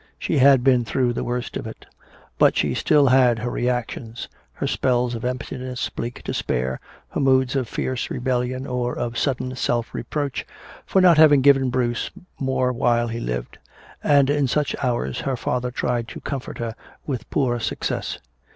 She had been through the worst of it. But she still had her reactions, her spells of emptiness, bleak despair, her moods of fierce rebellion or of sudden self reproach for not having given Bruce more while he lived. And in such hours her father tried to comfort her with poor success.